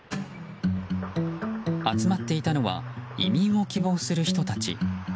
集まっていたのは移民を希望する人たち。